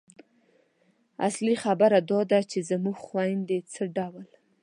اصلي خبره دا ده چې زموږ خویندې څه ډول